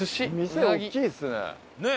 店大きいですね。